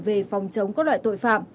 về phòng chống các loại tội phạm